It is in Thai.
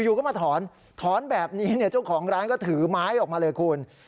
อยู่ก็มาถอนถอนแบบนี้เนี่ยเจ้าของร้านก็ถือไม้ออกมาเลยคุณ